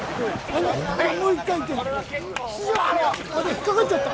引っかかっちゃった。